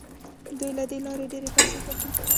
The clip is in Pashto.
دوی له دې لارې ډیرې پیسې ګټي.